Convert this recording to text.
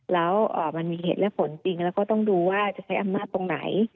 แล้วมันมีเหตุและผลจริงแล้วก็ต้องดูว่าจะใช้อำนาจตรงไหน